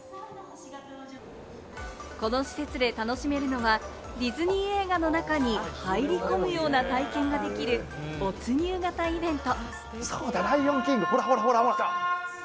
この施設で楽しめるのはディズニー映画の中に入り込むような体験ができる没入型イベント。